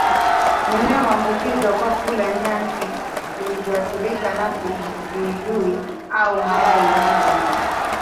Minyoo huambukizwa kwa kula nyasi zilizoathiriwa na viluilui au mayai ya minyoo